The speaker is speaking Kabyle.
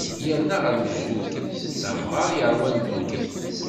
Yerna ɣer lejdud-is, d amɣar yeṛwan ddunit.